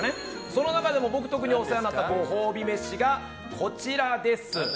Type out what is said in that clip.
その中でも僕がお世話になったご褒美飯がこちら。